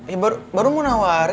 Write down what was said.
eh baru mau nawarin